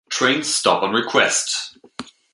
Trains stop on request.